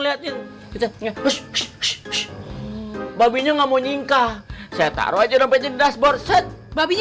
lewatnya babinya nggak mau nyingkah saya taruh aja rumputnya dashboard set babinya